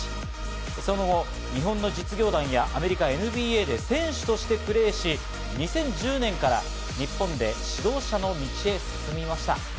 その後、日本の実業団やアメリカＮＢＡで選手としてプレーし、２０１０年から日本で指導者の道へ進みました。